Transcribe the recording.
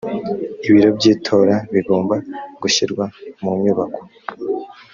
ibiro by’itora bigomba gushyirwa mu nyubako